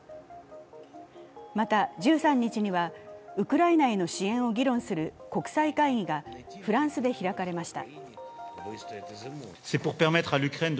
また、１３日にはウクライナへの支援を議論する国際会議がフランスで開かれました。